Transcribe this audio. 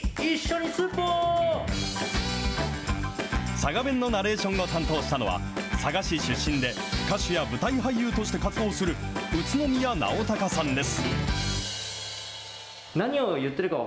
佐賀弁のナレーションを担当したのは、佐賀市出身で、歌手や舞台俳優として活動する宇都宮直高さんです。